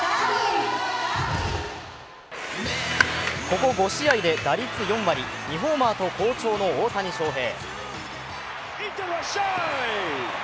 ここ５試合で打率４割２ホーマーと好調の大谷翔平。